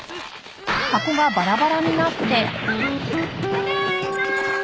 ただいまー。